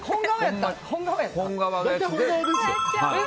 大体、本革ですよ。